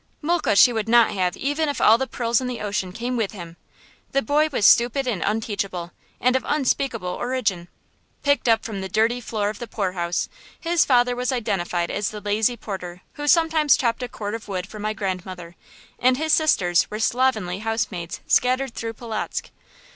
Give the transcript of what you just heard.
Mulke she would not have even if all the pearls in the ocean came with him. The boy was stupid and unteachable, and of unspeakable origin. Picked up from the dirty floor of the poorhouse, his father was identified as the lazy porter who sometimes chopped a cord of wood for my grandmother; and his sisters were slovenly housemaids scattered through Polotzk.